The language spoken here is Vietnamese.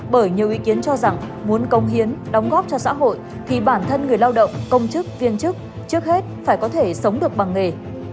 bởi nhiều ý kiến cho rằng muốn công hiến đóng góp cho xã hội thì bản thân người lao động công chức viên chức trước hết phải có thể sống được bằng nghề